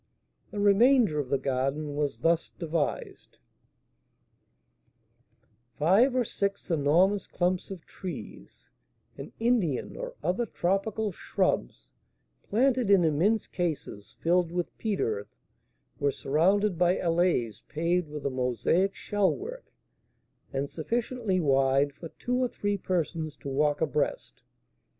The remainder of the garden was thus devised: Five or six enormous clumps of trees, and Indian or other tropical shrubs, planted in immense cases filled with peat earth, were surrounded by alleys paved with a mosaic shell work, and sufficiently wide for two or three persons to walk abreast.